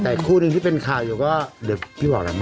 แต่คู่หนึ่งที่เป็นข่าวอยู่ก็เดี๋ยวพี่บอกแล้วม